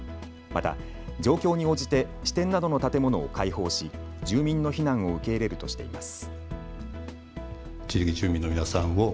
また状況に応じて支店などの建物を開放し住民の避難を受け入れるとしています。